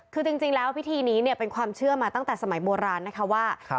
คือจริงแล้วพิธีนี้เนี่ยเป็นความเชื่อมาตั้งแต่สมัยโบราณนะคะว่า